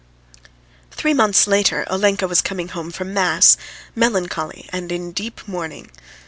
Three months later Olenka was coming home from mass, melancholy and in deep mourning.